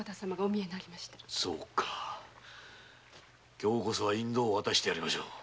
今日こそは引導を渡してやりましょう。